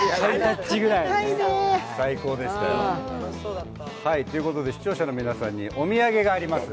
最高でしたよ。ということで、視聴者の皆さんにお土産があります。